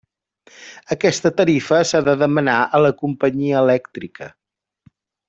Aquesta tarifa s'ha de demanar a la companyia elèctrica.